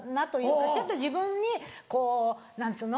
ちょっと自分にこう何つうの？